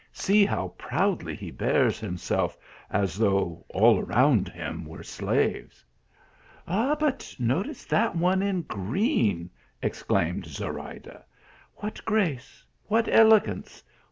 " See how proudly he bears himself, as though all around him were his slaves !"" But notice that one in green," exclaimed Zo rayda ;" what grace 1 what elegance